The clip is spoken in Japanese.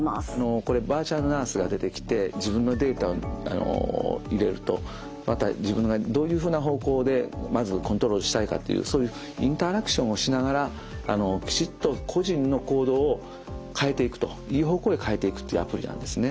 これバーチャルナースが出てきて自分のデータを入れるとまた自分がどういうふうな方向でまずコントロールしたいかっていうそういうインタラクションをしながらきちっと個人の行動を変えていくといい方向へ変えていくというアプリなんですね。